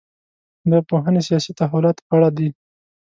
دا پوهنې سیاسي تحولاتو په اړه دي.